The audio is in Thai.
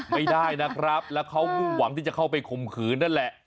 ไม่ได้นะครับแล้วเขามุ่งหวังที่จะเข้าไปข่มขืนนั่นแหละ